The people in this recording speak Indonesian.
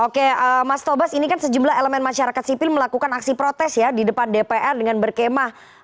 oke mas tobas ini kan sejumlah elemen masyarakat sipil melakukan aksi protes ya di depan dpr dengan berkemah